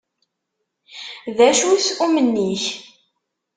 D acu-t umenni-k?